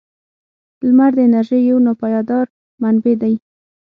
• لمر د انرژۍ یو ناپایدار منبع دی.